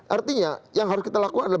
artinya yang harus kita lakukan adalah